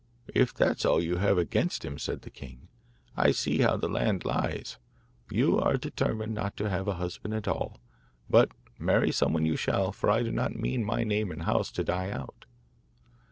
'If that's all you have against him,' said the king, 'I see how the land lies. You are determined not to have a husband at all; but marry someone you shall, for I do not mean my name and house to die out.